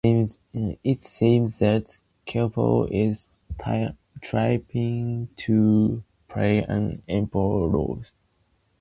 It seems that Cupid is trying to play an important role.